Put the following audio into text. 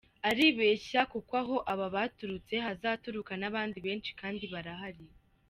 Aribeshya kuko aho aba baturutse hazaturuka n’abandi benshi kandi barahari.